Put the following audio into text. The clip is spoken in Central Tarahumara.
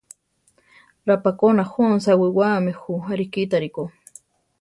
Rapákona jónsa awiwáame jú, arikítari ko.